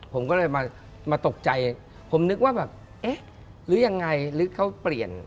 ผมก็เลยมาตกใจผมนึกว่าแบบเอ๊ะหรือยังไงหรือเขาเปลี่ยน